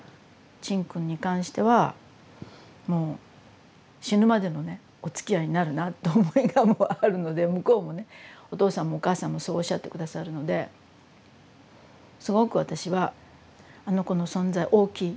陳君に関してはもう死ぬまでのねおつきあいになるなって思いがもうあるので向こうもねお父さんもお母さんもそうおっしゃって下さるのですごく私はあの子の存在大きい。